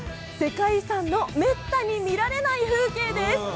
世界遺産のめったに見られない風景です。